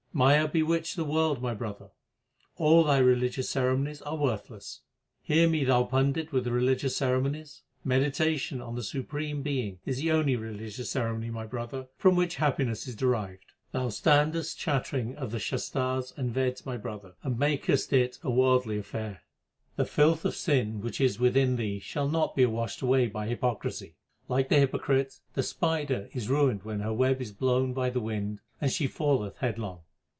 Maya bewitcheth the world, my brother ; all thy religious ceremonies are worthless. Hear me, thou Pandit with the religious ceremonies Meditation on the Supreme Being is the only religious ceremony, my brother, from which happiness is derived. Thou standest chattering of the Shastars and Veds, my brother, and makest it a worldly affair. The filth of sin which is within thee shall not be washed away by hypocrisy. Like the hypocrite, the spider is ruined when her web is blown by the wind and she falleth headlong.